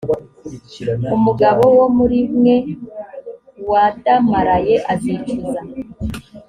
umugabo wo muri mwe wadamaraye azicuza,